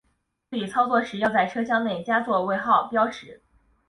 具体操作时要在车厢内加座位号标识。